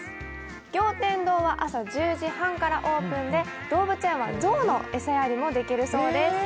餃天堂は朝１０時半からオープンで動物園は象の餌やりもできるそうです。